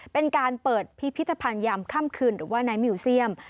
เป็นการเปิดพิพิธภัณฑ์ยามค่ำคืนหรือว่าในมิวเซียม